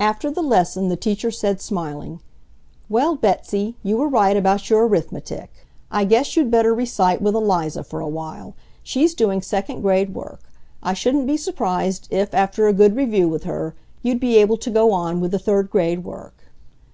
After the lesson the teacher said, smiling, "Well, Betsy, you were right about your arithmetic. I guess you'd better recite with Eliza for a while. She's doing second grade work. I shouldn't be surprised if, after a good review with her, you'd be able to go on with the third grade work."